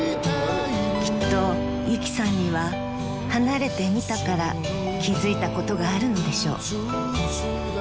［きっとゆきさんには離れてみたから気付いたことがあるのでしょう］